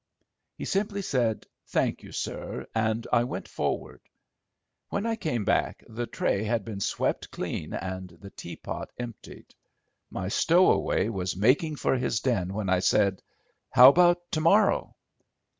He simply said, "Thank you, sir," and I went forward. When I came back the tray had been swept clean and the teapot emptied. My stowaway was making for his den when I said, "How about to morrow?"